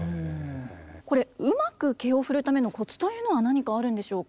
これうまく毛を振るためのコツというのは何かあるんでしょうか？